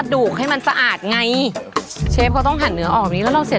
ดูมันง่ายจังเลย